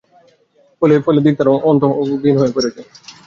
ফলে দিগ-দিগন্ত তার আলো ও দূতিতে ভরে ফেলেছে।